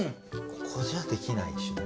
ここじゃできないでしょ？